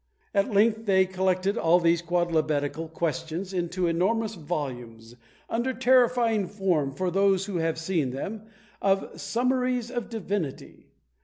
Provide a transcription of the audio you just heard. They at length collected all these quodlibetical questions into enormous volumes, under the terrifying form, for those who have seen them, of Summaries of Divinity!